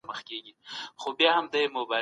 آیا دغه کتاب ستا خوښ سو؟